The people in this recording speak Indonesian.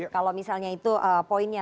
kalau misalnya itu poinnya